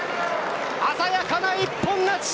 鮮やかな一本勝ち。